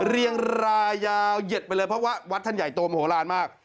เรียงรายยาวเหยียดไปเลยเพราะว่าวัดท่านใหญ่โตมโหลานมาก